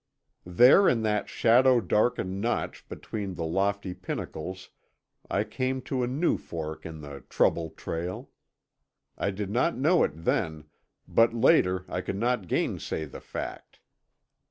There in that shadow darkened notch between the lofty pinnacles I came to a new fork in the Trouble Trail. I did not know it then, but later I could not gainsay the fact.